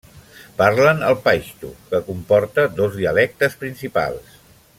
Parlen el paixtu, que comporta dos dialectes principals.